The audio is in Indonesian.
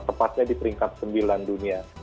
tepatnya di peringkat sembilan dunia